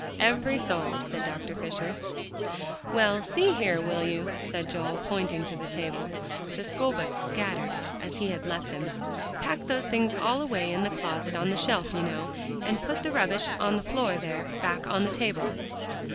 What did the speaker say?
"Every soul," said Dr. Fisher. "Well, see here, will you," said Joel, pointing to the table, the schoolbooks scattered as he had left them, "pack those things all away in the closet on the shelf, you know, and put the rubbish on the floor there, back on the table?"